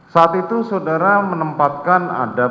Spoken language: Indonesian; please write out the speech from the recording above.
saat itu saudara menempatkan